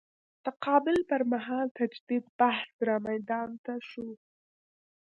تقابل پر مهال تجدید بحث رامیدان ته شو.